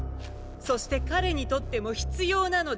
そして彼にとっても必要なのです。